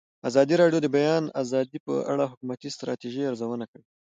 ازادي راډیو د د بیان آزادي په اړه د حکومتي ستراتیژۍ ارزونه کړې.